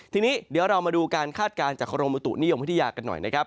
ทีนี้เดี๋ยวเรามาดูการคาดการณ์จากกรมบุตุนิยมพัทยากันหน่อยนะครับ